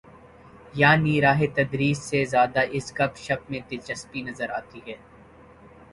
یعنی راہ تدریس سے زیادہ اس گپ شپ میں دلچسپی نظر آتی ہے۔